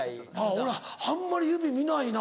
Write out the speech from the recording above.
俺あんまり指見ないな